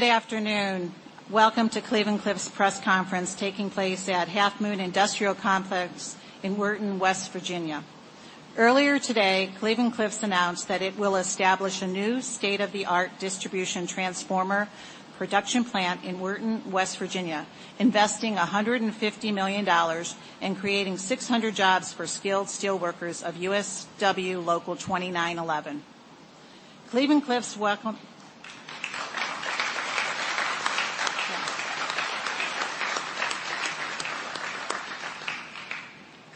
Good afternoon. Welcome to Cleveland-Cliffs' Press Conference taking place at Half Moon Industrial Complex in Weirton, West Virginia. Earlier today, Cleveland-Cliffs announced that it will establish a new state-of-the-art distribution transformer production plant in Weirton, West Virginia, investing $150 million and creating 600 jobs for skilled steelworkers of USW Local 2911.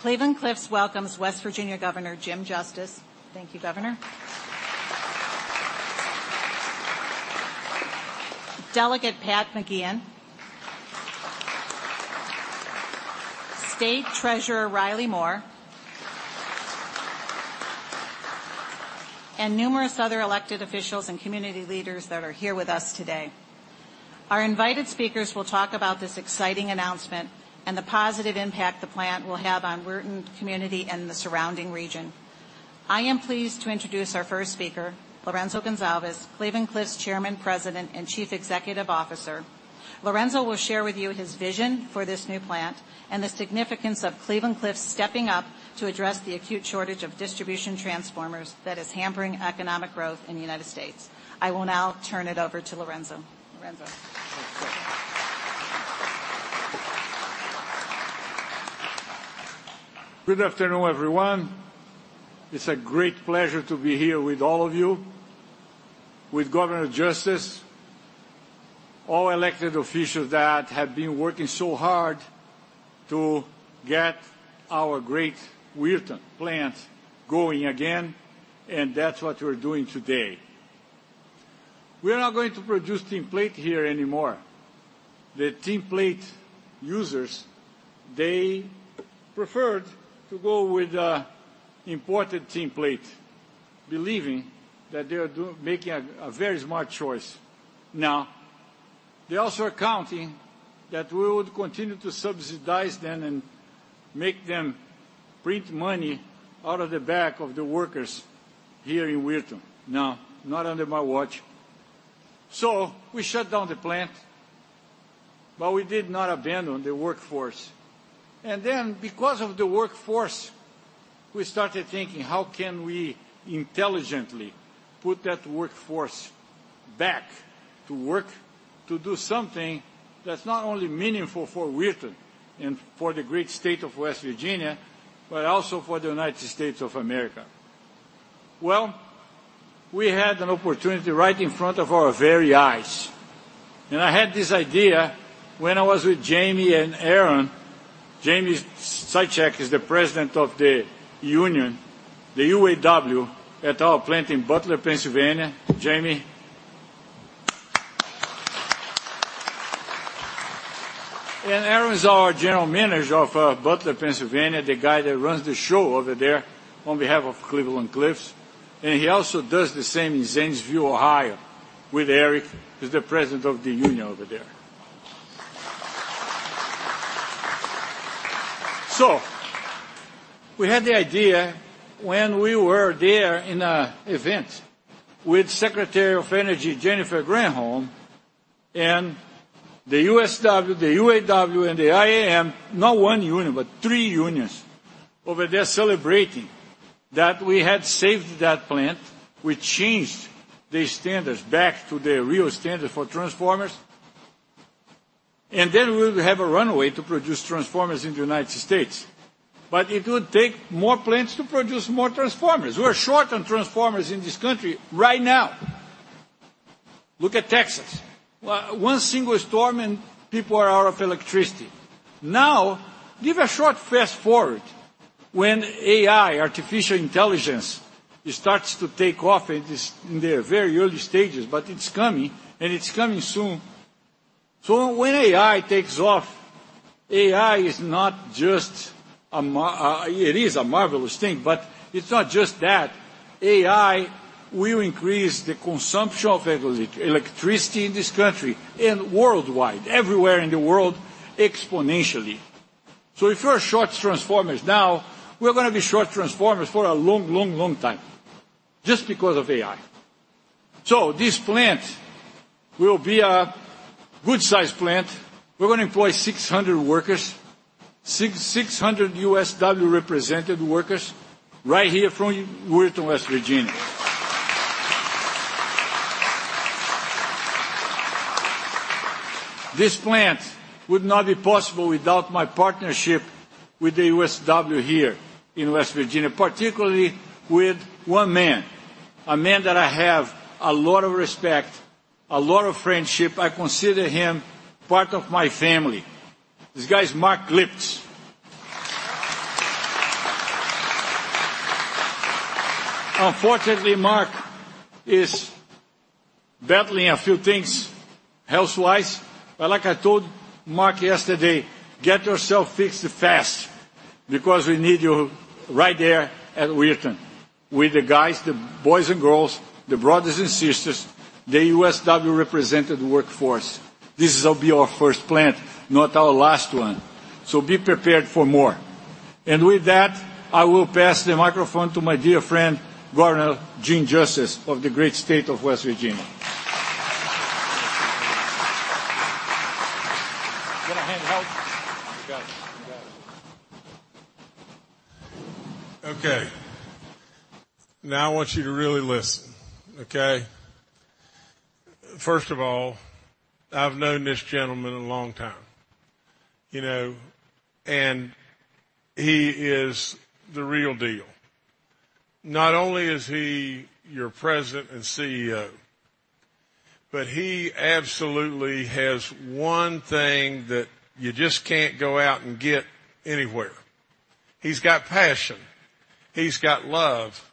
Cleveland-Cliffs welcomes. Cleveland-Cliffs welcomes West Virginia Governor Jim Justice. Thank you, Governor. Delegate Pat McGeehan. State Treasurer Riley Moore. Numerous other elected officials and community leaders that are here with us today. Our invited speakers will talk about this exciting announcement and the positive impact the plant will have on Weirton community and the surrounding region. I am pleased to introduce our first speaker, Lourenco Goncalves, Cleveland-Cliffs Chairman, President, and Chief Executive Officer. Lourenco will share with you his vision for this new plant and the significance of Cleveland-Cliffs stepping up to address the acute shortage of distribution transformers that is hampering economic growth in the United States. I will now turn it over to Lourenco. Lourenco. Good afternoon, everyone. It's a great pleasure to be here with all of you, with Governor Justice, all elected officials that have been working so hard to get our great Weirton plant going again, and that's what we're doing today. We're not going to produce tinplate here anymore. The tinplate users, they preferred to go with the imported tinplate, believing that they are making a very smart choice. Now, they also are counting that we would continue to subsidize them and make them print money out of the back of the workers here in Weirton. Now, not under my watch. So we shut down the plant, but we did not abandon the workforce. And then, because of the workforce, we started thinking, how can we intelligently put that workforce back to work to do something that's not only meaningful for Weirton and for the great state of West Virginia, but also for the United States of America? Well, we had an opportunity right in front of our very eyes. And I had this idea when I was with Jamie and Aaron. Jamie Sychak is the president of the union, the UAW, at our plant in Butler, Pennsylvania. Jamie. And Aaron's our general manager of Butler, Pennsylvania, the guy that runs the show over there on behalf of Cleveland-Cliffs. And he also does the same in Zanesville, Ohio, with Eric, who's the president of the union over there. So we had the idea when we were there in an event with Secretary of Energy Jennifer Granholm and the USW, the UAW, and the IAM, not one union, but three unions over there celebrating that we had saved that plant. We changed the standards back to the real standards for transformers. Then we would have a runway to produce transformers in the United States. But it would take more plants to produce more transformers. We're short on transformers in this country right now. Look at Texas. One single storm and people are out of electricity. Now, give a short fast forward when AI, artificial intelligence, starts to take off. It is in the very early stages, but it's coming, and it's coming soon. So when AI takes off, AI is not just a marvelous thing, but it's not just that. AI will increase the consumption of electricity in this country and worldwide, everywhere in the world, exponentially. So if you're short transformers now, we're going to be short transformers for a long, long, long time, just because of AI. So this plant will be a good-sized plant. We're going to employ 600 workers, 600 USW-represented workers right here from Weirton, West Virginia. This plant would not be possible without my partnership with the USW here in West Virginia, particularly with one man, a man that I have a lot of respect, a lot of friendship. I consider him part of my family. This guy's Mark Glyptis. Unfortunately, Mark is battling a few things health-wise. But like I told Mark yesterday, get yourself fixed fast because we need you right there at Weirton with the guys, the boys and girls, the brothers and sisters, the USW-represented workforce. This will be our first plant, not our last one. So be prepared for more. With that, I will pass the microphone to my dear friend, Governor Jim Justice of the great state of West Virginia. You got a handheld? You got it. You got it. Okay. Now I want you to really listen, okay? First of all, I've known this gentleman a long time, you know, and he is the real deal. Not only is he your President and CEO, but he absolutely has one thing that you just can't go out and get anywhere. He's got passion, he's got love,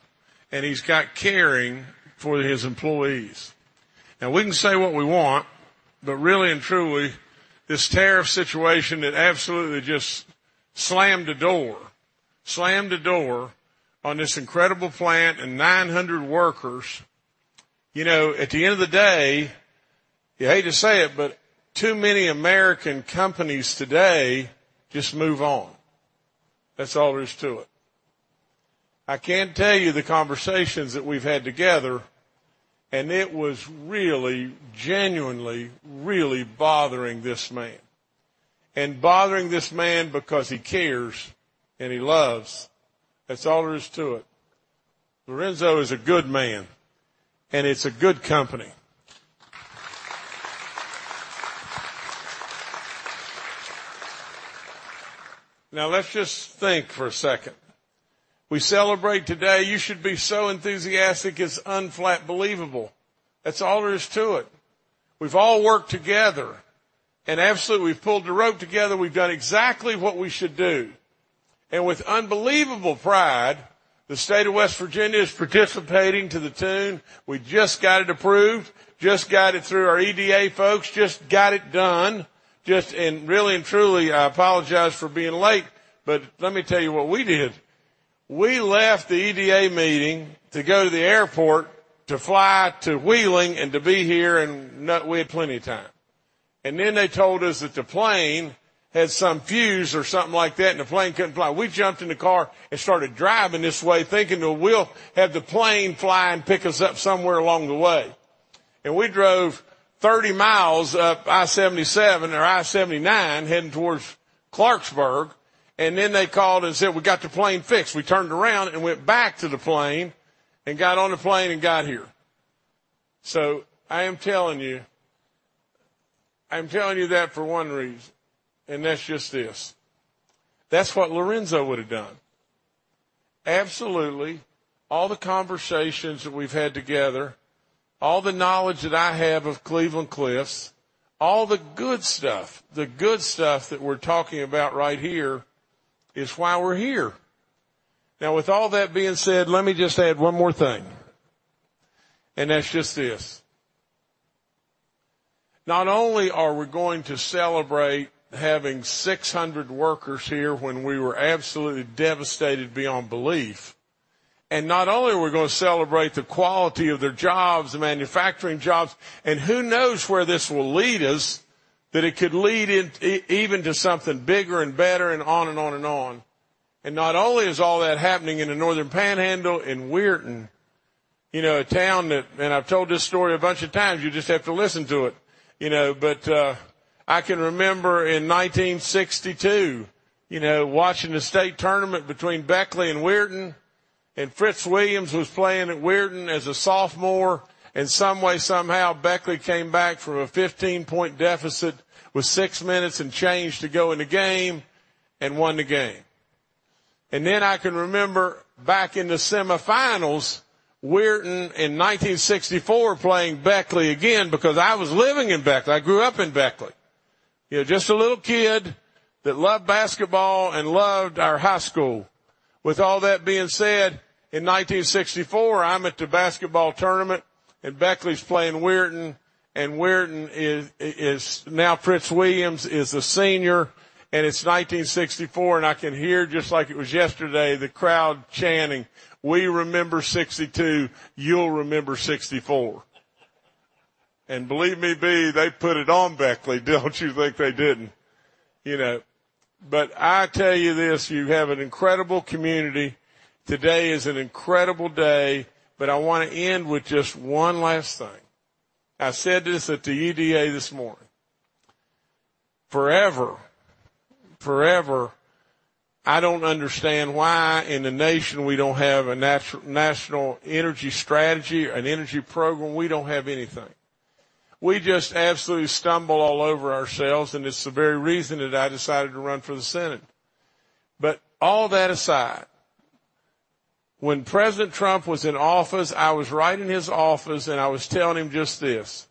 and he's got caring for his employees. Now, we can say what we want, but really and truly, this tariff situation, it absolutely just slammed the door, slammed the door on this incredible plant and 900 workers. You know, at the end of the day, you hate to say it, but too many American companies today just move on. That's all there is to it. I can tell you the conversations that we've had together, and it was really, genuinely, really bothering this man. And bothering this man because he cares and he loves. That's all there is to it. Lourenco is a good man, and it's a good company. Now, let's just think for a second. We celebrate today. You should be so enthusiastic. It's unbelievable. That's all there is to it. We've all worked together, and absolutely, we've pulled the rope together. We've done exactly what we should do. And with unbelievable pride, the state of West Virginia is participating to the tune. We just got it approved, just got it through our EDA folks, just got it done. Just, and really and truly, I apologize for being late, but let me tell you what we did. We left the EDA meeting to go to the airport to fly to Wheeling and to be here, and we had plenty of time. And then they told us that the plane had some fuse or something like that, and the plane couldn't fly. We jumped in the car and started driving this way, thinking, "Well, we'll have the plane fly and pick us up somewhere along the way." And we drove 30 miles up I-77 or I-79 heading towards Clarksburg, and then they called and said, "We got the plane fixed." We turned around and went back to the plane and got on the plane and got here. So I am telling you, I am telling you that for one reason, and that's just this. That's what Lourenco would have done. Absolutely. All the conversations that we've had together, all the knowledge that I have of Cleveland-Cliffs, all the good stuff, the good stuff that we're talking about right here is why we're here. Now, with all that being said, let me just add one more thing. And that's just this. Not only are we going to celebrate having 600 workers here when we were absolutely devastated beyond belief, and not only are we going to celebrate the quality of their jobs, the manufacturing jobs, and who knows where this will lead us, that it could lead even to something bigger and better and on and on and on. And not only is all that happening in the Northern Panhandle in Weirton, you know, a town that, and I've told this story a bunch of times, you know. But I can remember in 1962, you know, watching the state tournament between Beckley and Weirton, and Fritz Williams was playing at Weirton as a sophomore. And someway, somehow, Beckley came back from a 15-point deficit with six minutes and change to go in the game and won the game. Then I can remember back in the semifinals, Weirton in 1964 playing Beckley again because I was living in Beckley. I grew up in Beckley, you know, just a little kid that loved basketball and loved our high school. With all that being said, in 1964, I'm at the basketball tournament, and Beckley's playing Weirton, and Weirton is now Fritz Williams is a senior, and it's 1964, and I can hear, just like it was yesterday, the crowd chanting, "We remember 1962. You'll remember 1964." And believe me, B, they put it on Beckley. Don't you think they didn't? You know. But I tell you this, you have an incredible community. Today is an incredible day, but I want to end with just one last thing. I said this at the EDA this morning. Forever, forever, I don't understand why in the nation we don't have a national energy strategy, an energy program. We don't have anything. We just absolutely stumble all over ourselves, and it's the very reason that I decided to run for the Senate. But all that aside, when President Trump was in office, I was right in his office, and I was telling him just this.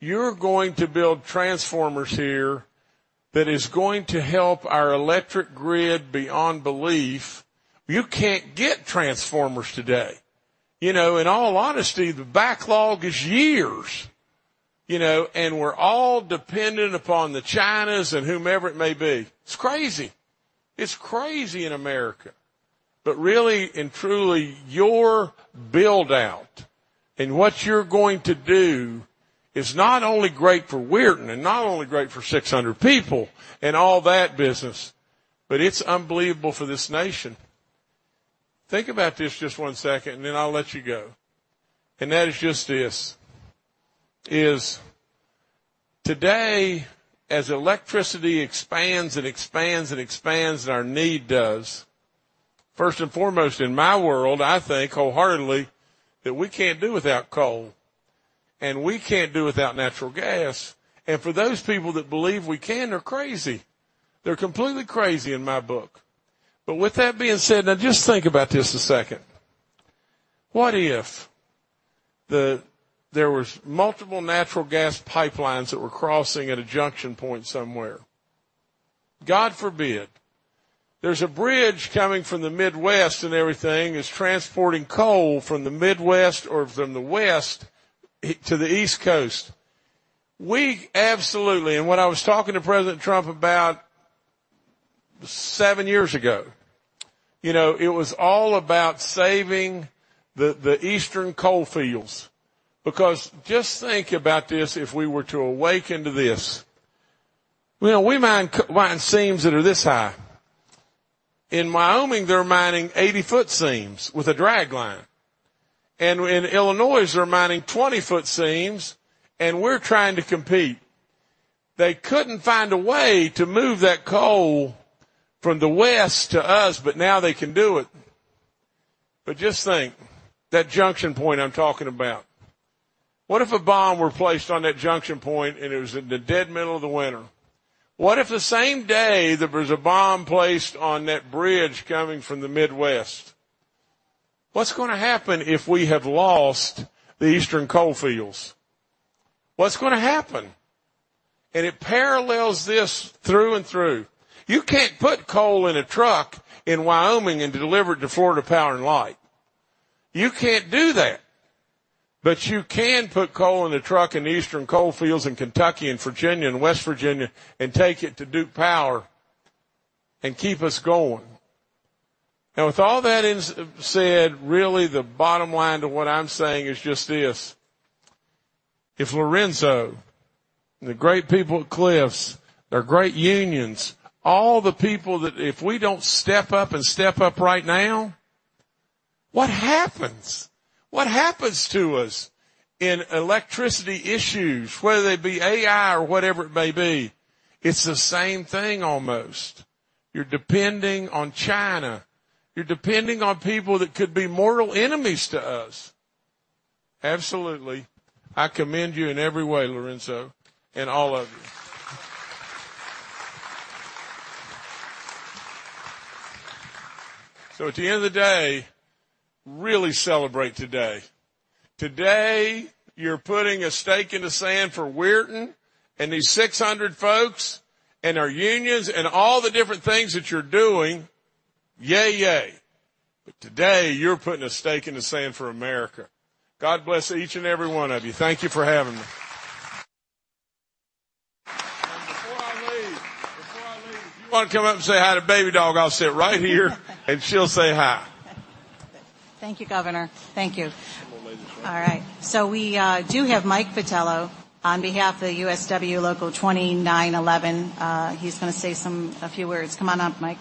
You're going to build transformers here that is going to help our electric grid beyond belief. You can't get transformers today. You know, in all honesty, the backlog is years, you know, and we're all dependent upon the Chinese and whomever it may be. It's crazy. It's crazy in America. But really and truly, your buildout and what you're going to do is not only great for Weirton and not only great for 600 people and all that business, but it's unbelievable for this nation. Think about this just one second, and then I'll let you go. And that is just this. Today, as electricity expands and expands and expands and our need does, first and foremost, in my world, I think wholeheartedly that we can't do without coal and we can't do without natural gas. And for those people that believe we can, they're crazy. They're completely crazy in my book. But with that being said, now just think about this a second. What if there were multiple natural gas pipelines that were crossing at a junction point somewhere? God forbid, there's a bridge coming from the Midwest and everything is transporting coal from the Midwest or from the West to the East Coast. We absolutely, and what I was talking to President Trump about seven years ago, you know, it was all about saving the eastern coalfields. Because just think about this if we were to awaken to this, you know, we mine seams that are this high. In Wyoming, they're mining 80 ft seams with a drag line. And in Illinois, they're mining 20 ft seams, and we're trying to compete. They couldn't find a way to move that coal from the West to us, but now they can do it. But just think that junction point I'm talking about. What if a bomb were placed on that junction point and it was in the dead middle of the winter? What if the same day there was a bomb placed on that bridge coming from the Midwest? What's going to happen if we have lost the eastern coalfields? What's going to happen? And it parallels this through and through. You can't put coal in a truck in Wyoming and deliver it to Florida Power & Light. You can't do that. But you can put coal in the truck in eastern coalfields in Kentucky and Virginia and West Virginia and take it to Duke Power and keep us going. Now, with all that said, really, the bottom line to what I'm saying is just this. If Lourenco, the great people at Cliffs, their great unions, all the people that, if we don't step up and step up right now, what happens? What happens to us in electricity issues, whether they be AI or whatever it may be? It's the same thing almost. You're depending on China. You're depending on people that could be mortal enemies to us. Absolutely. I commend you in every way, Lourenco, and all of you. So at the end of the day, really celebrate today. Today, you're putting a stake in the sand for Weirton and these 600 folks and our unions and all the different things that you're doing. Yay, yay. But today, you're putting a stake in the sand for America. God bless each and every one of you. Thank you for having me. And before I leave, before I leave, if you want to come up and say hi to Babydog, I'll sit right here, and she'll say hi. Thank you, Governor. Thank you. All right. So we do have Mike Vitello on behalf of the USW Local 2911. He's going to say a few words. Come on up, Mike.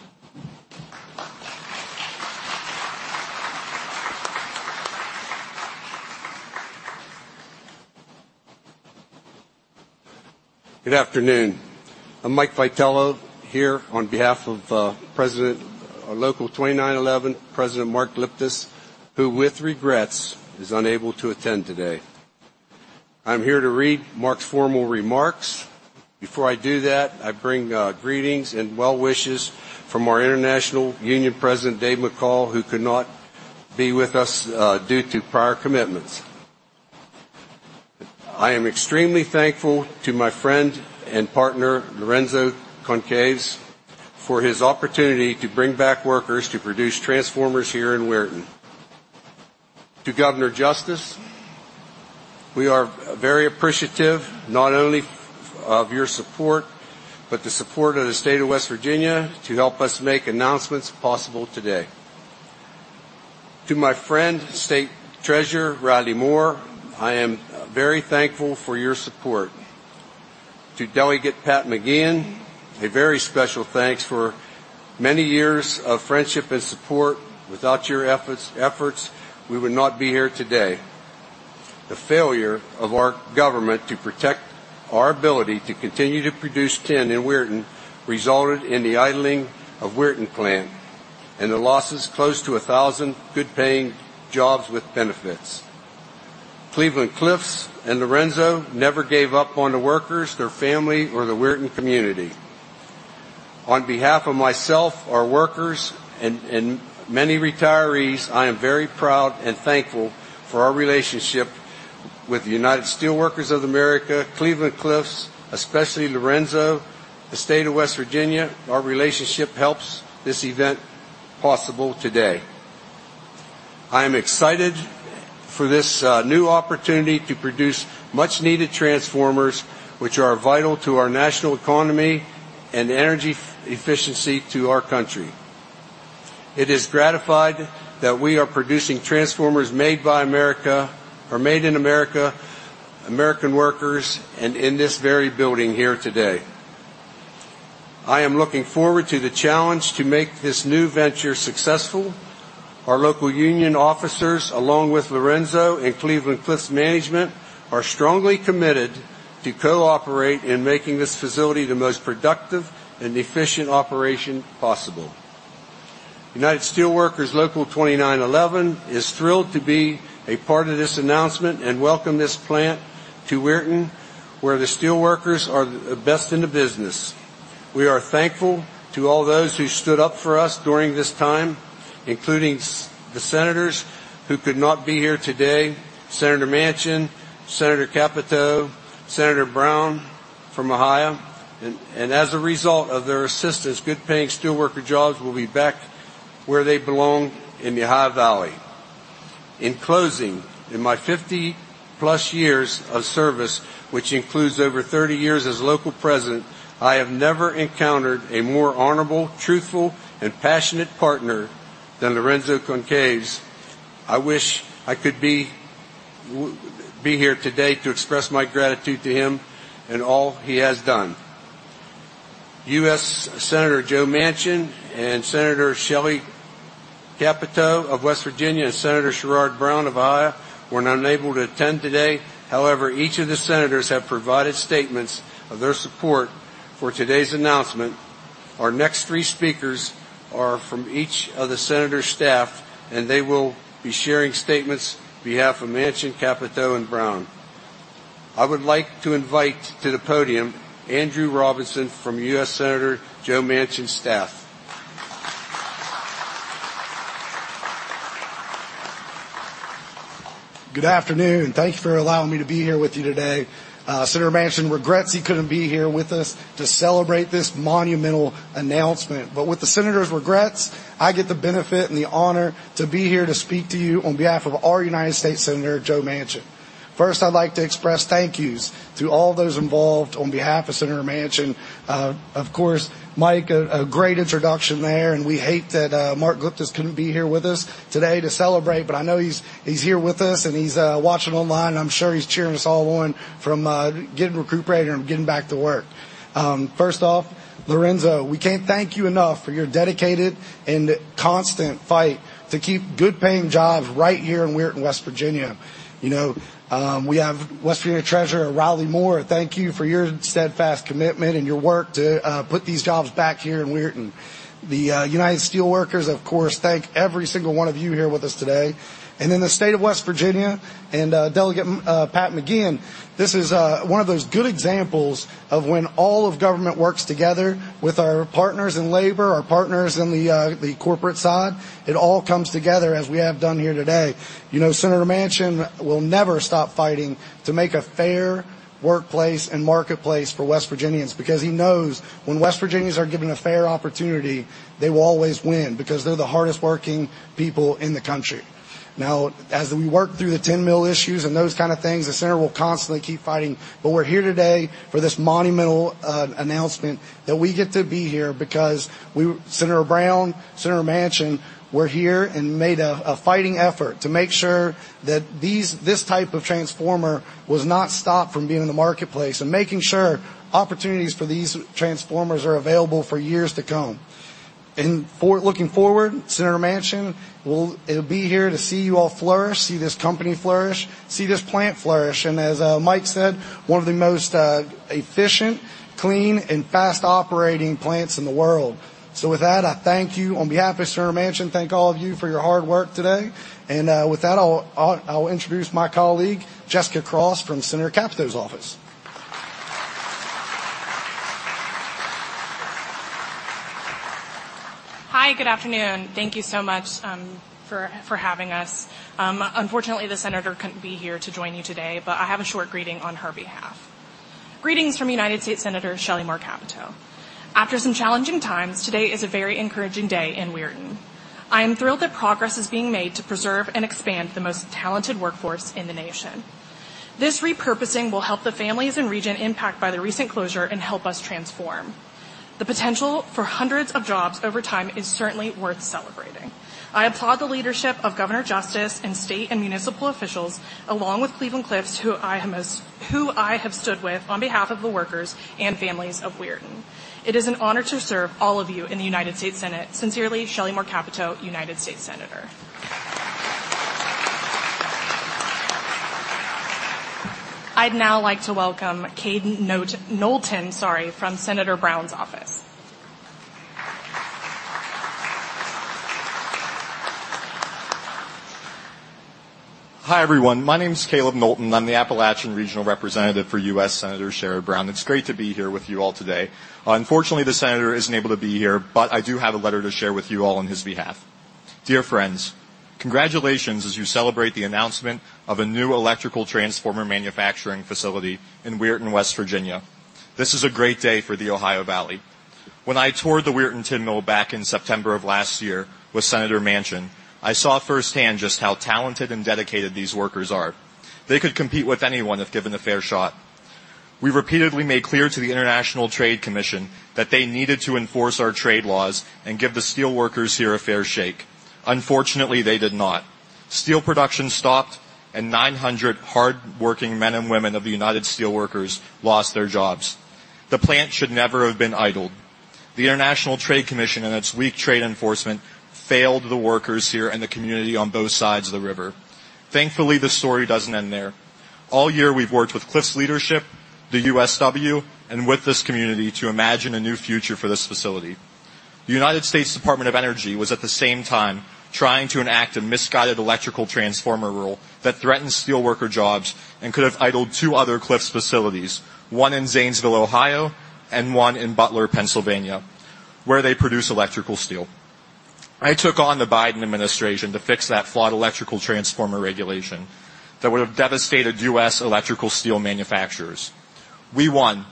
Good afternoon. I'm Mike Vitello here on behalf of President Local 2911, President Mark Glyptis, who, with regrets, is unable to attend today. I'm here to read Mark's formal remarks. Before I do that, I bring greetings and well wishes from our international union president, Dave McCall, who could not be with us due to prior commitments. I am extremely thankful to my friend and partner, Lourenco Goncalves, for his opportunity to bring back workers to produce transformers here in Weirton. To Governor Justice, we are very appreciative not only of your support, but the support of the state of West Virginia to help us make announcements possible today. To my friend, State Treasurer Riley Moore, I am very thankful for your support. To Delegate Pat McGeehan, a very special thanks for many years of friendship and support. Without your efforts, we would not be here today. The failure of our government to protect our ability to continue to produce tin in Weirton resulted in the idling of Weirton Plant and the losses close to 1,000 good-paying jobs with benefits. Cleveland-Cliffs and Lourenco never gave up on the workers, their family, or the Weirton community. On behalf of myself, our workers, and many retirees, I am very proud and thankful for our relationship with the United Steelworkers of America, Cleveland-Cliffs, especially Lourenco, the State of West Virginia. Our relationship helps this event possible today. I am excited for this new opportunity to produce much-needed transformers, which are vital to our national economy and energy efficiency to our country. It is gratified that we are producing transformers made by America, or made in America, American workers, and in this very building here today. I am looking forward to the challenge to make this new venture successful. Our local union officers, along with Lourenco and Cleveland-Cliffs management, are strongly committed to cooperate in making this facility the most productive and efficient operation possible. United Steelworkers Local 2911 is thrilled to be a part of this announcement and welcome this plant to Weirton, where the steelworkers are the best in the business. We are thankful to all those who stood up for us during this time, including the senators who could not be here today, Senator Manchin, Senator Capito, Senator Brown from Ohio. And as a result of their assistance, good-paying steelworker jobs will be back where they belong in the Ohio Valley. In closing, in my 50+ years of service, which includes over 30 years as local president, I have never encountered a more honorable, truthful, and passionate partner than Lourenco Goncalves. I wish I could be here today to express my gratitude to him and all he has done. U.S. Senator Joe Manchin and Senator Shelley Capito of West Virginia and Senator Sherrod Brown of Ohio were not able to attend today. However, each of the senators have provided statements of their support for today's announcement. Our next three speakers are from each of the senators' staff, and they will be sharing statements on behalf of Manchin, Capito, and Brown. I would like to invite to the podium Andrew Robinson from U.S. Senator Joe Manchin's staff. Good afternoon, and thank you for allowing me to be here with you today. Senator Manchin regrets he couldn't be here with us to celebrate this monumental announcement. But with the senator's regrets, I get the benefit and the honor to be here to speak to you on behalf of our United States Senator Joe Manchin. First, I'd like to express thank yous to all those involved on behalf of Senator Manchin. Of course, Mike, a great introduction there, and we hate that Mark Glyptis couldn't be here with us today to celebrate, but I know he's here with us and he's watching online. I'm sure he's cheering us all on from recuperating and getting back to work. First off, Lourenco, we can't thank you enough for your dedicated and constant fight to keep good-paying jobs right here in Weirton, West Virginia. You know, we have West Virginia Treasurer Riley Moore. Thank you for your steadfast commitment and your work to put these jobs back here in Weirton. The United Steelworkers, of course, thank every single one of you here with us today. And then the State of West Virginia and Delegate Pat McGeehan, this is one of those good examples of when all of government works together with our partners in labor, our partners in the corporate side. It all comes together, as we have done here today. You know, Senator Manchin will never stop fighting to make a fair workplace and marketplace for West Virginians because he knows when West Virginians are given a fair opportunity, they will always win because they're the hardest-working people in the country. Now, as we work through the tin mill issues and those kinds of things, the senator will constantly keep fighting. But we're here today for this monumental announcement that we get to be here because we, Senator Brown, Senator Manchin, were here and made a fighting effort to make sure that this type of transformer was not stopped from being in the marketplace and making sure opportunities for these transformers are available for years to come. And looking forward, Senator Manchin, we'll be here to see you all flourish, see this company flourish, see this plant flourish, and as Mike said, one of the most efficient, clean, and fast-operating plants in the world. So with that, I thank you on behalf of Senator Manchin. Thank all of you for your hard work today. And with that, I'll introduce my colleague, Jessica Cross, from Senator Capito's office. Hi, good afternoon. Thank you so much for having us. Unfortunately, the senator couldn't be here to join you today, but I have a short greeting on her behalf. Greetings from United States Senator Shelley Moore Capito. After some challenging times, today is a very encouraging day in Weirton. I am thrilled that progress is being made to preserve and expand the most talented workforce in the nation. This repurposing will help the families in region impacted by the recent closure and help us transform. The potential for hundreds of jobs over time is certainly worth celebrating. I applaud the leadership of Governor Justice and state and municipal officials, along with Cleveland-Cliffs, who I have stood with on behalf of the workers and families of Weirton. It is an honor to serve all of you in the United States Senate. Sincerely, Shelley Moore Capito, United States Senator. I'd now like to welcome Kaleb Knowlton, sorry, from Senator Brown's office. Hi everyone. My name is Kaleb Knowlton. I'm the Appalachian Regional Representative for U.S. Senator Sherrod Brown. It's great to be here with you all today. Unfortunately, the senator isn't able to be here, but I do have a letter to share with you all on his behalf. Dear friends, congratulations as you celebrate the announcement of a new electrical transformer manufacturing facility in Weirton, West Virginia. This is a great day for the Ohio Valley. When I toured the Weirton tin millback in September of last year with Senator Manchin, I saw firsthand just how talented and dedicated these workers are. They could compete with anyone if given a fair shot. We repeatedly made clear to the International Trade Commission that they needed to enforce our trade laws and give the steelworkers here a fair shake. Unfortunately, they did not. Steel production stopped, and 900 hard-working men and women of the United Steelworkers lost their jobs. The plant should never have been idled. The International Trade Commission and its weak trade enforcement failed the workers here and the community on both sides of the river. Thankfully, the story doesn't end there. All year, we've worked with Cliffs leadership, the USW, and with this community to imagine a new future for this facility. The United States Department of Energy was at the same time trying to enact a misguided electrical transformer rule that threatened steelworker jobs and could have idled two other Cliffs facilities, one in Zanesville, Ohio, and one in Butler, Pennsylvania, where they produce electrical steel. I took on the Biden administration to fix that flawed electrical transformer regulation that would have devastated U.S. electrical steel manufacturers. We won.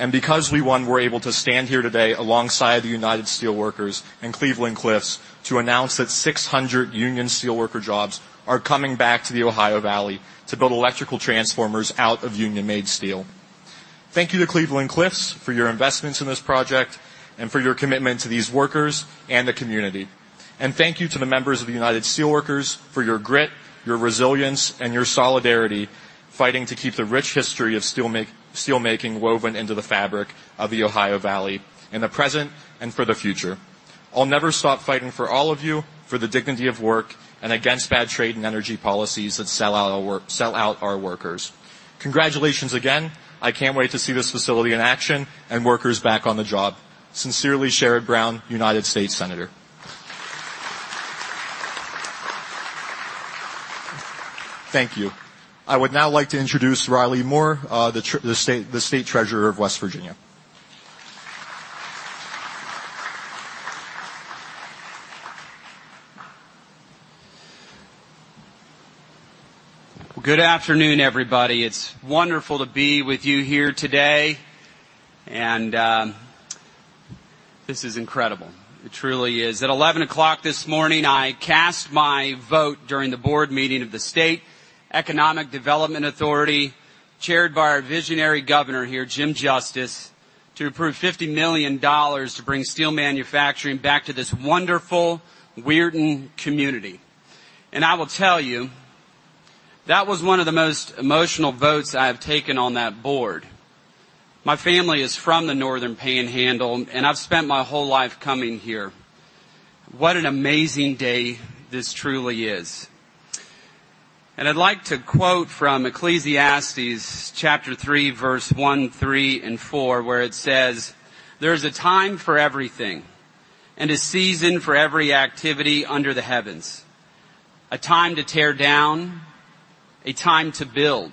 And because we won, we're able to stand here today alongside the United Steelworkers and Cleveland-Cliffs to announce that 600 union steelworker jobs are coming back to the Ohio Valley to build electrical transformers out of union-made steel. Thank you to Cleveland-Cliffs for your investments in this project and for your commitment to these workers and the community. And thank you to the members of the United Steelworkers for your grit, your resilience, and your solidarity fighting to keep the rich history of steelmaking woven into the fabric of the Ohio Valley in the present and for the future. I'll never stop fighting for all of you for the dignity of work and against bad trade and energy policies that sell out our workers. Congratulations again. I can't wait to see this facility in action and workers back on the job. Sincerely, Sherrod Brown, United States Senator. Thank you. I would now like to introduce Riley Moore, the State Treasurer of West Virginia. Good afternoon, everybody. It's wonderful to be with you here today. This is incredible. It truly is. At 11:00 A.M. this morning, I cast my vote during the board meeting of the State Economic Development Authority, chaired by our visionary Governor here, Jim Justice, to approve $50 million to bring steel manufacturing back to this wonderful Weirton community. I will tell you, that was one of the most emotional votes I have taken on that board. My family is from the Northern Panhandle, and I've spent my whole life coming here. What an amazing day this truly is. I'd like to quote from Ecclesiastes 3:1, 3, and 4, where it says, "There is a time for everything and a season for every activity under the heavens. A time to tear down, a time to build,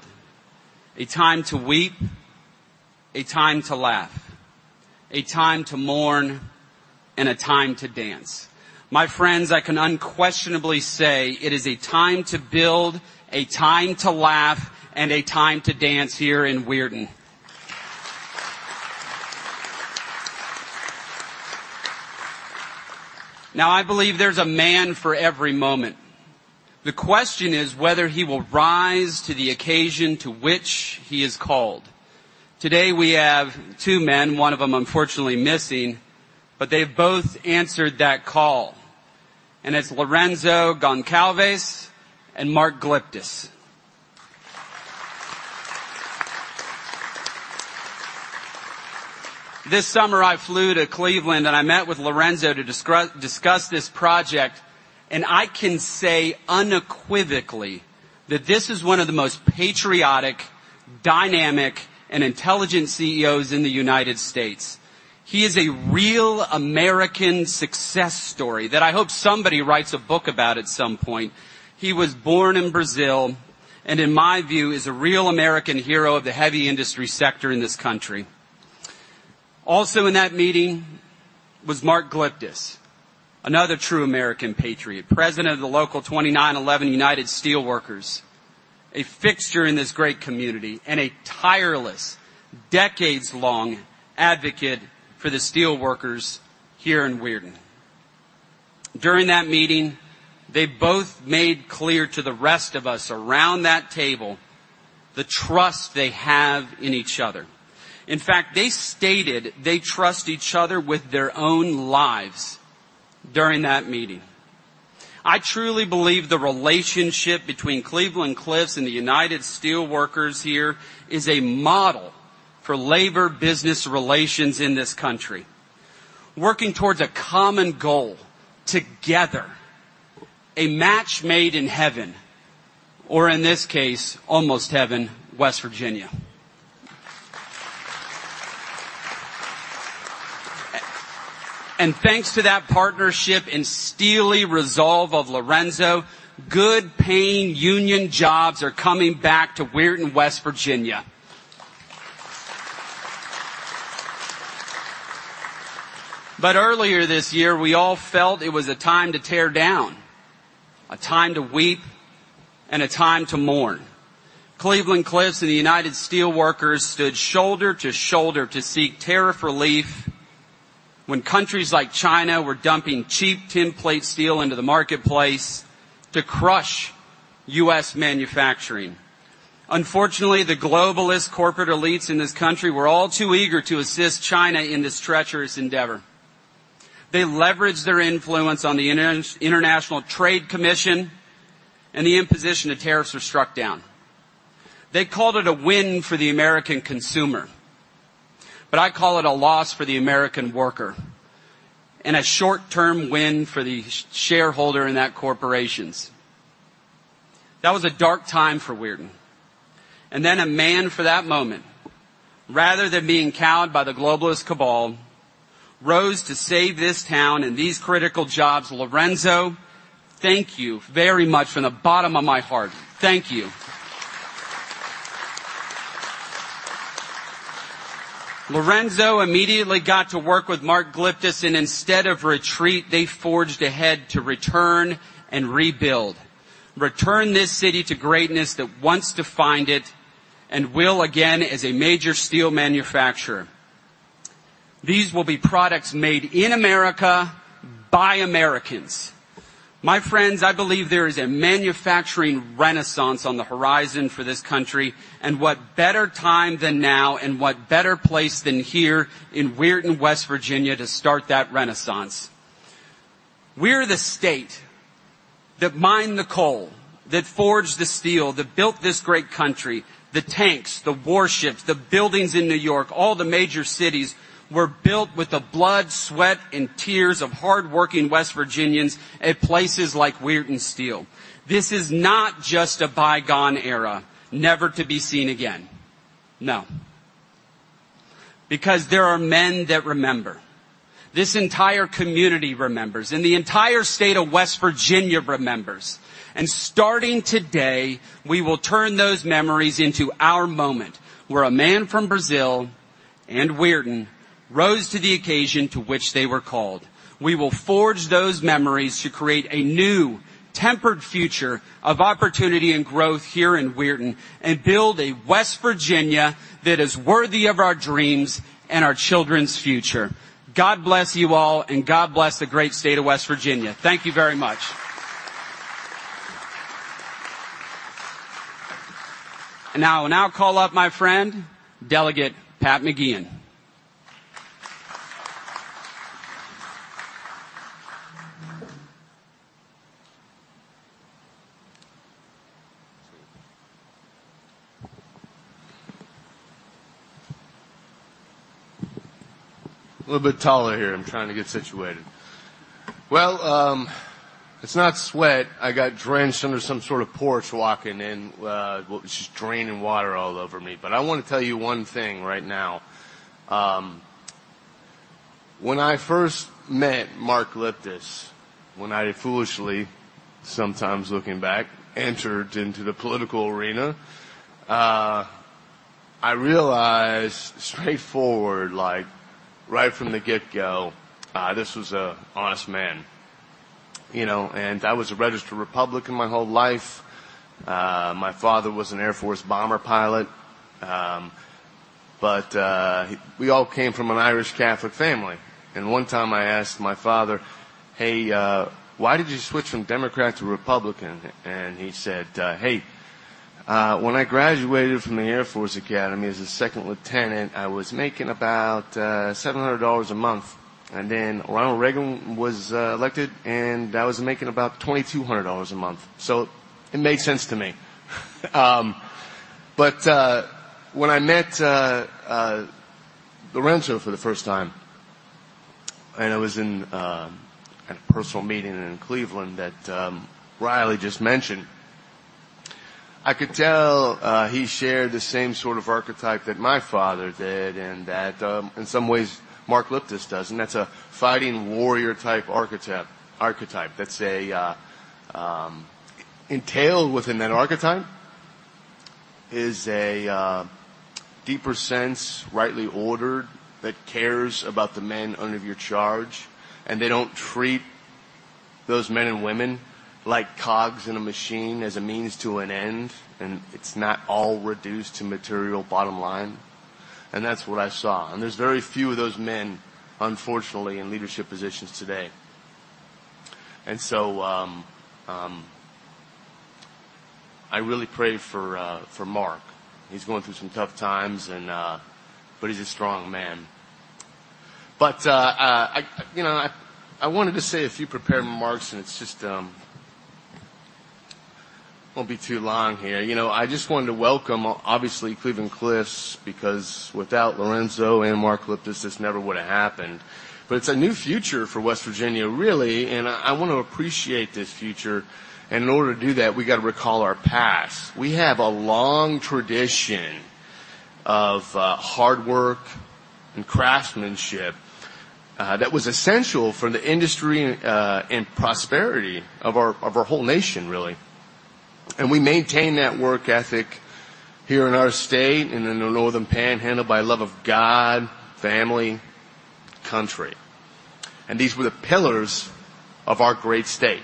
a time to weep, a time to laugh, a time to mourn, and a time to dance." My friends, I can unquestionably say it is a time to build, a time to laugh, and a time to dance here in Weirton. Now, I believe there's a man for every moment. The question is whether he will rise to the occasion to which he is called. Today, we have two men, one of them unfortunately missing, but they've both answered that call. It's Lourenco Goncalves and Mark Glyptis. This summer, I flew to Cleveland, and I met with Lourenco to discuss this project. I can say unequivocally that this is one of the most patriotic, dynamic, and intelligent CEOs in the United States. He is a real American success story that I hope somebody writes a book about at some point. He was born in Brazil and, in my view, is a real American hero of the heavy industry sector in this country. Also in that meeting was Mark Glyptis, another true American patriot, president of the Local 2911 United Steelworkers, a fixture in this great community, and a tireless, decades-long advocate for the steelworkers here in Weirton. During that meeting, they both made clear to the rest of us around that table the trust they have in each other. In fact, they stated they trust each other with their own lives during that meeting. I truly believe the relationship between Cleveland-Cliffs and the United Steelworkers here is a model for labor business relations in this country, working towards a common goal together, a match made in heaven, or in this case, almost heaven, West Virginia. Thanks to that partnership and steely resolve of Lourenco, good-paying union jobs are coming back to Weirton, West Virginia. Earlier this year, we all felt it was a time to tear down, a time to weep, and a time to mourn. Cleveland-Cliffs and the United Steelworkers stood shoulder to shoulder to seek tariff relief when countries like China were dumping cheap tinplate steel into the marketplace to crush U.S. manufacturing. Unfortunately, the globalist corporate elites in this country were all too eager to assist China in this treacherous endeavor. They leveraged their influence on the International Trade Commission, and the imposition of tariffs was struck down. They called it a win for the American consumer, but I call it a loss for the American worker and a short-term win for the shareholder in that corporations. That was a dark time for Weirton. And then a man for that moment, rather than being cowed by the globalist cabal, rose to save this town and these critical jobs. Lourenco, thank you very much from the bottom of my heart. Thank you. Lourenco immediately got to work with Mark Glyptis, and instead of retreat, they forged ahead to return and rebuild, return this city to greatness that wants to find it and will again as a major steel manufacturer. These will be products made in America by Americans. My friends, I believe there is a manufacturing renaissance on the horizon for this country. And what better time than now and what better place than here in Weirton, West Virginia, to start that renaissance? We're the state that mined the coal, that forged the steel, that built this great country. The tanks, the warships, the buildings in New York, all the major cities were built with the blood, sweat, and tears of hard-working West Virginians at places like Weirton Steel. This is not just a bygone era, never to be seen again. No. Because there are men that remember. This entire community remembers, and the entire state of West Virginia remembers. And starting today, we will turn those memories into our moment where a man from Brazil and Weirton rose to the occasion to which they were called. We will forge those memories to create a new, tempered future of opportunity and growth here in Weirton and build a West Virginia that is worthy of our dreams and our children's future. God bless you all, and God bless the great state of West Virginia. Thank you very much. I'll now call up my friend, Delegate Pat McGeehan. A little bit taller here. I'm trying to get situated. Well, it's not sweat. I got drenched under some sort of porch walking in. It's just draining water all over me. But I want to tell you one thing right now. When I first met Mark Glyptis, when I foolishly, sometimes looking back, entered into the political arena, I realized straightforward, right from the get-go, this was an honest man. And I was a registered Republican my whole life. My father was an Air Force bomber pilot. But we all came from an Irish Catholic family. And one time, I asked my father, "Hey, why did you switch from Democrat to Republican?" And he said, "Hey, when I graduated from the Air Force Academy as a second lieutenant, I was making about $700 a month. And then Ronald Reagan was elected, and I was making about $2,200 a month." So it made sense to me. But when I met Lourenco for the first time, and it was in a personal meeting in Cleveland that Riley just mentioned, I could tell he shared the same sort of archetype that my father did and that, in some ways, Mark Glyptis does. That's a fighting warrior-type archetype. Entailed within that archetype is a deeper sense, rightly ordered, that cares about the men under your charge. They don't treat those men and women like cogs in a machine as a means to an end. It's not all reduced to material bottom line. That's what I saw. There's very few of those men, unfortunately, in leadership positions today. So I really pray for Mark. He's going through some tough times, but he's a strong man. But I wanted to say a few prepared remarks, and it just won't be too long here. I just wanted to welcome, obviously, Cleveland-Cliffs because without Lourenco and Mark Glyptis, this never would have happened. But it's a new future for West Virginia, really. And I want to appreciate this future. And in order to do that, we got to recall our past. We have a long tradition of hard work and craftsmanship that was essential for the industry and prosperity of our whole nation, really. And we maintain that work ethic here in our state and in the Northern Panhandle by love of God, family, country. And these were the pillars of our great state.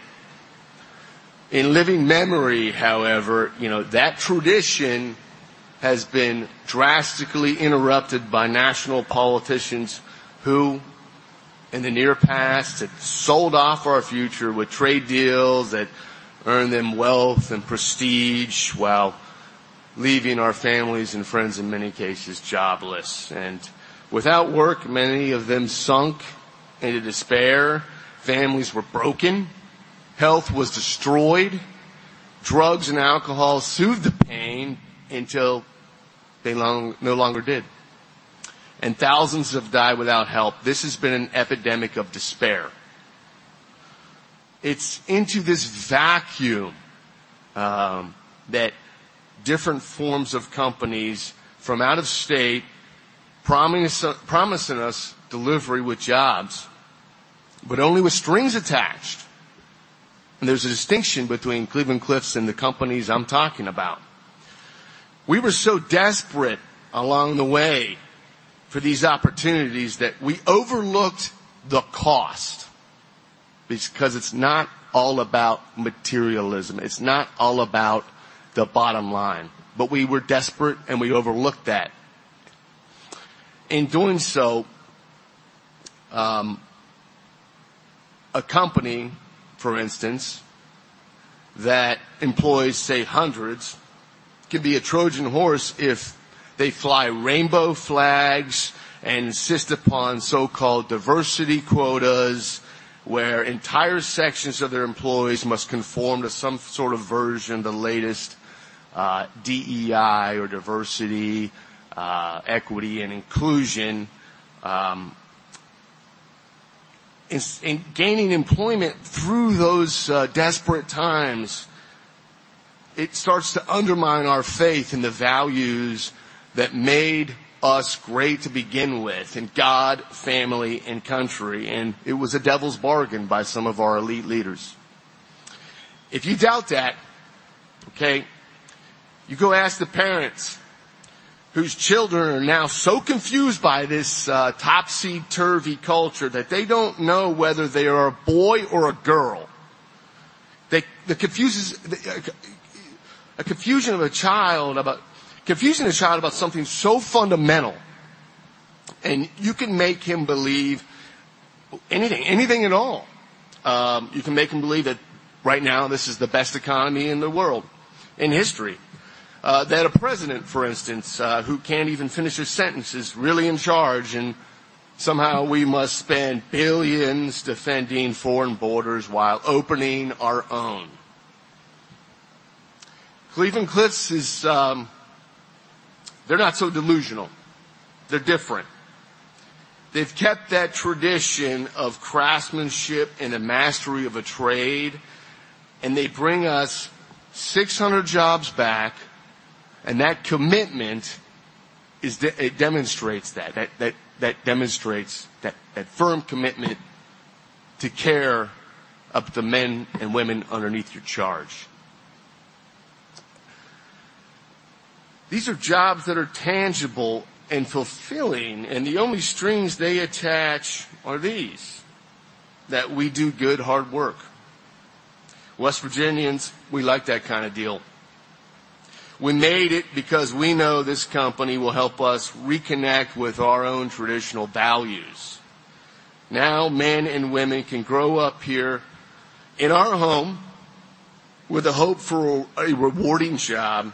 In living memory, however, that tradition has been drastically interrupted by national politicians who, in the near past, had sold off our future with trade deals that earned them wealth and prestige while leaving our families and friends, in many cases, jobless. Without work, many of them sunk into despair. Families were broken. Health was destroyed. Drugs and alcohol soothed the pain until they no longer did. Thousands have died without help. This has been an epidemic of despair. It's into this vacuum that different forms of companies from out of state promise us delivery with jobs, but only with strings attached. There's a distinction between Cleveland-Cliffs and the companies I'm talking about. We were so desperate along the way for these opportunities that we overlooked the cost because it's not all about materialism. It's not all about the bottom line. But we were desperate, and we overlooked that. In doing so, a company, for instance, that employs, say, hundreds, can be a Trojan horse if they fly rainbow flags and insist upon so-called diversity quotas where entire sections of their employees must conform to some sort of version, the latest DEI or Diversity, Equity, and Inclusion. In gaining employment through those desperate times, it starts to undermine our faith in the values that made us great to begin with: God, family, and country. And it was a devil's bargain by some of our elite leaders. If you doubt that, okay, you go ask the parents whose children are now so confused by this topsy-turvy culture that they don't know whether they are a boy or a girl. A confusion of a child about something so fundamental. And you can make him believe anything, anything at all. You can make him believe that right now, this is the best economy in the world, in history. That a president, for instance, who can't even finish his sentence, is really in charge, and somehow we must spend billions defending foreign borders while opening our own. Cleveland-Cliffs, they're not so delusional. They're different. They've kept that tradition of craftsmanship and a mastery of a trade, and they bring us 600 jobs back. And that commitment, it demonstrates that. That firm commitment to care of the men and women underneath your charge. These are jobs that are tangible and fulfilling. And the only strings they attach are these: that we do good, hard work. West Virginians, we like that kind of deal. We made it because we know this company will help us reconnect with our own traditional values. Now, men and women can grow up here in our home with a hope for a rewarding job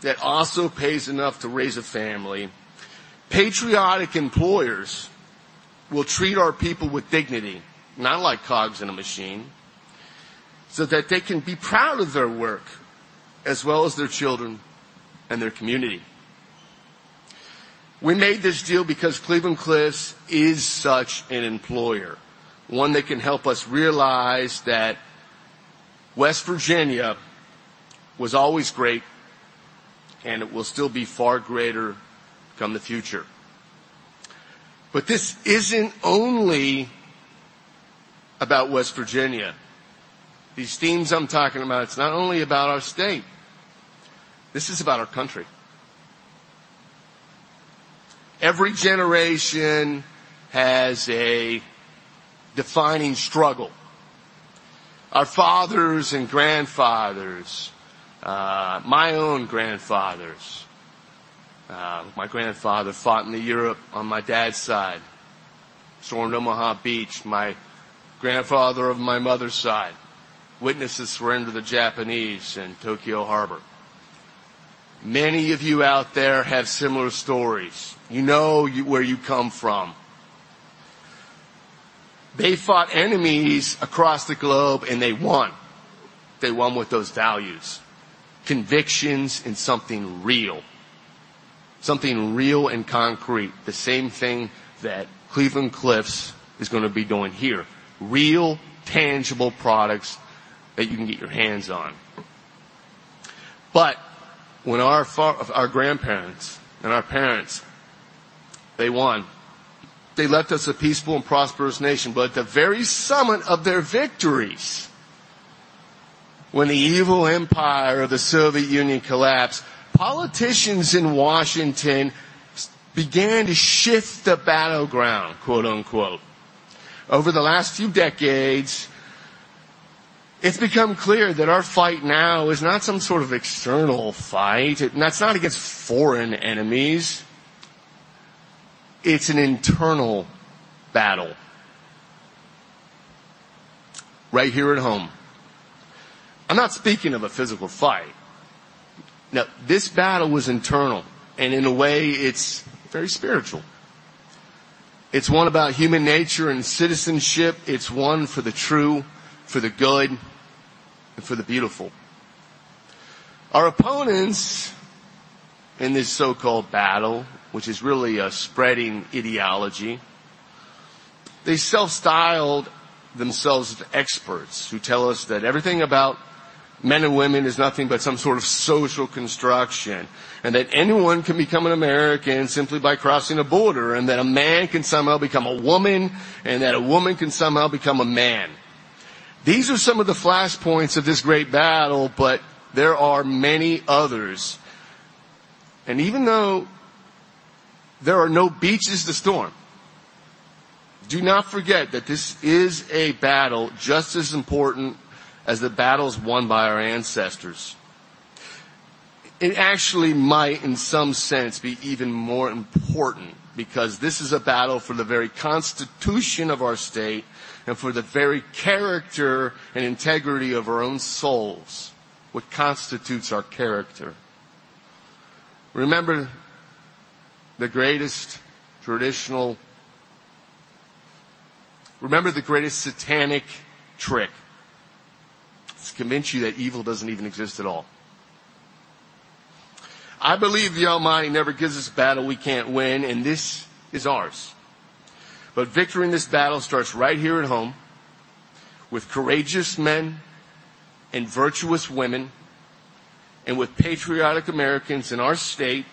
that also pays enough to raise a family. Patriotic employers will treat our people with dignity, not like cogs in a machine, so that they can be proud of their work as well as their children and their community. We made this deal because Cleveland-Cliffs is such an employer, one that can help us realize that West Virginia was always great, and it will still be far greater come the future. But this isn't only about West Virginia. These themes I'm talking about, it's not only about our state. This is about our country. Every generation has a defining struggle. Our fathers and grandfathers, my own grandfathers, my grandfather fought in Europe on my dad's side, stormed Omaha Beach, my grandfather on my mother's side, witnessed the surrender of the Japanese in Tokyo Harbor. Many of you out there have similar stories. You know where you come from. They fought enemies across the globe, and they won. They won with those values, convictions, and something real, something real and concrete, the same thing that Cleveland-Cliffs is going to be doing here: real, tangible products that you can get your hands on. But when our grandparents and our parents, they won. They left us a peaceful and prosperous nation. But at the very summit of their victories, when the evil empire of the Soviet Union collapsed, politicians in Washington began to shift the battleground, quote-unquote. Over the last few decades, it's become clear that our fight now is not some sort of external fight. That's not against foreign enemies. It's an internal battle right here at home. I'm not speaking of a physical fight. No, this battle was internal. In a way, it's very spiritual. It's one about human nature and citizenship. It's one for the true, for the good, and for the beautiful. Our opponents in this so-called battle, which is really a spreading ideology, they self-styled themselves as experts who tell us that everything about men and women is nothing but some sort of social construction and that anyone can become an American simply by crossing a border and that a man can somehow become a woman and that a woman can somehow become a man. These are some of the flashpoints of this great battle, but there are many others. Even though there are no beaches to storm, do not forget that this is a battle just as important as the battles won by our ancestors. It actually might, in some sense, be even more important because this is a battle for the very constitution of our state and for the very character and integrity of our own souls, what constitutes our character. Remember the greatest satanic trick to convince you that evil doesn't even exist at all. I believe the almighty never gives us a battle we can't win, and this is ours. But victory in this battle starts right here at home with courageous men and virtuous women and with patriotic Americans in our state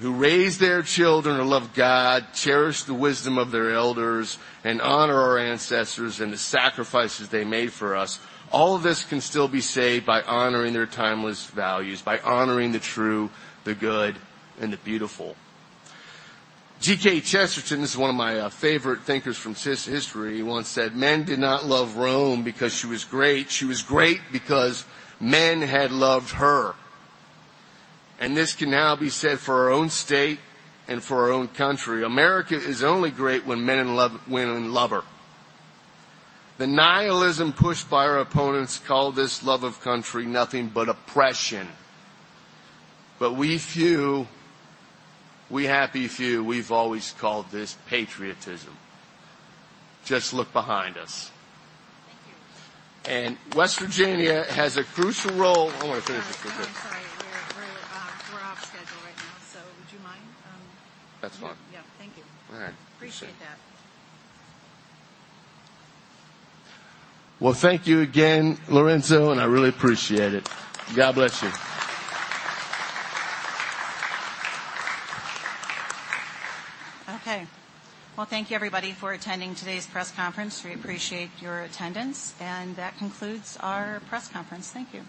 who raise their children to love God, cherish the wisdom of their elders, and honor our ancestors and the sacrifices they made for us. All of this can still be saved by honoring their timeless values, by honoring the true, the good, and the beautiful. G.K. Chesterton is one of my favorite thinkers from history. He once said, "Men did not love Rome because she was great. She was great because men had loved her." And this can now be said for our own state and for our own country. America is only great when men love her. The nihilism pushed by our opponents called this love of country nothing but oppression. But we few, we happy few, we've always called this patriotism. Just look behind us. And West Virginia has a crucial role. I want to finish this real quick. I'm sorry. We're off schedule right now. So would you mind? That's fine. Yeah. Thank you. All right. Appreciate that. Well, thank you again, Lorenco, and I really appreciate it. God bless you. Okay. Well, thank you, everybody, for attending today's press conference. We appreciate your attendance. That concludes our press conference. Thank you.